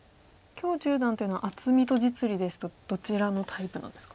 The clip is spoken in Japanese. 許十段というのは厚みと実利ですとどちらのタイプなんですか。